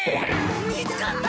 見つかった！